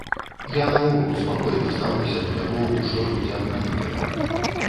Я наогул спакойна стаўлюся да таго, у што людзі апранутыя.